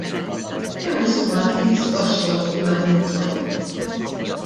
Kemm hu stmat li jiswa x-xogħol fuq dawn it-toroq?